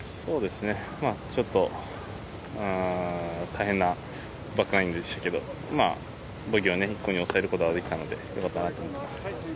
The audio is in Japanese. ちょっと大変なバックナインでしたけどボギーを１個に抑えることができたので良かったなと思います。